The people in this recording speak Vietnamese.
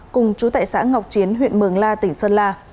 cùng chú tại xã ngọc chiến huyện mường la tỉnh sơn la